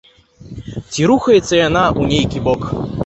Ці рухаецца яна ў нейкі бок?